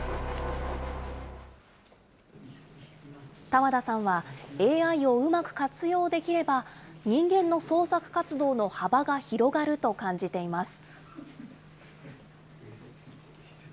多和田さんはＡＩをうまく活用できれば、人間の創作活動の幅が広がると感じています。